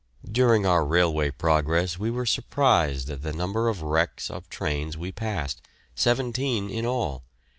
During our railway progress we were surprised at the number of wrecks of trains we passed; seventeen in all.